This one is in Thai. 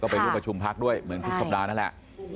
ไปร่วมประชุมพักด้วยเหมือนทุกสัปดาห์นั่นแหละ